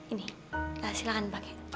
ini silahkan pakai